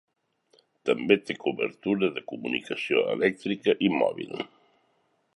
També té cobertura de comunicació elèctrica i mòbil.